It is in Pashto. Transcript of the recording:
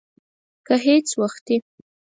گهيځ وختي